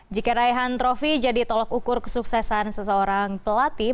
jika raihan trofi jadi tolak ukur kesuksesan seseorang pelatih